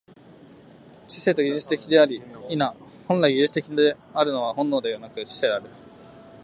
知性も技術的であり、否、本来技術的であるのは本能でなくて知性である。